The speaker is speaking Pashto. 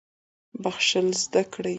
بخښل زده کړئ